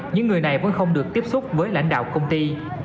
những người này vẫn không được tiếp xúc với lãnh đạo công ty